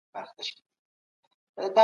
رښتينولي به يوه ورځ ټوله ټولنه اصلاح کړي.